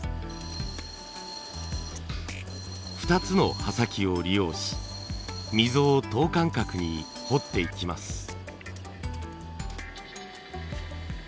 ２つの刃先を利用し溝を等間隔に彫っていきます。